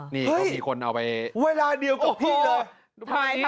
เฮ้ยเวลาเดียวกับพี่เลย